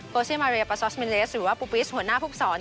โกเซมาเรียปาซอสเมนเลสหรือว่าปุปิสหัวหน้าภุตซอล